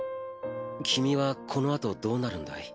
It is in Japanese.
君はこのあとどうなるんだい？